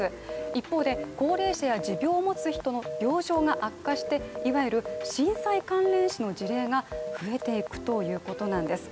一方で、高齢者や持病を持つ人の病状が悪化して、いわゆる震災関連死の事例が増えていくということなんです